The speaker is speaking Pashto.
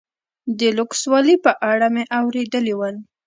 د لوکسوالي په اړه مې اورېدلي ول.